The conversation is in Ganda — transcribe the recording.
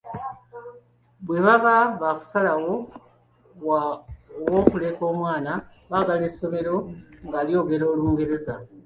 Bwe baba baakusalawo wa ew’okuleka omwana baagala essomero nga lyogera Olungereza.